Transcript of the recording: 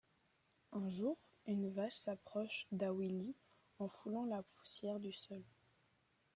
Un jour, une vache s'approche d'Awili en foulant la poussière de sol.